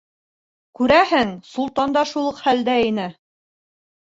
Күрәһең, Солтан да шул уҡ хәлдә ине.